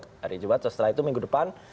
hari jumat setelah itu minggu depan